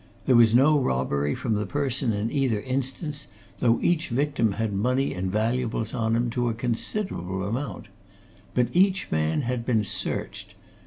There was no robbery from the person in either instance, though each victim had money and valuables on him to a considerable amount. But each man had been searched.